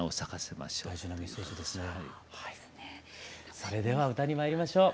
それでは歌にまいりましょう。